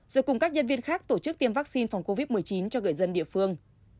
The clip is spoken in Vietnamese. rồi cùng các nhân viên khác tổ chức tiêm vaccine phòng covid một mươi chín cho người dân địa phương